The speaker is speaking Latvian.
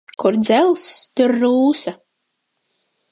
Kur dzelzs, tur rūsa.